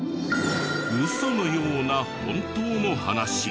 ウソのような本当の話。